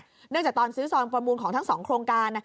เนื่องจากตอนซื้อซองประมูลของทั้งสองโครงการ